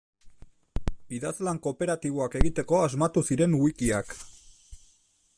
Idazlan kooperatiboak egiteko asmatu ziren wikiak.